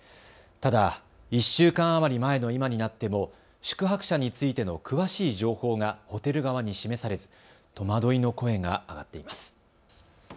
ただ、１週間余り前の今になっても宿泊者についての詳しい情報がホテル側に示されず戸惑いの声が上がっています。